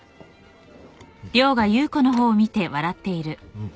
うん。